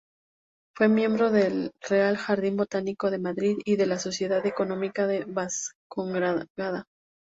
Fue miembro del Real Jardín Botánico de Madrid, y de la Sociedad Económica Vascongada.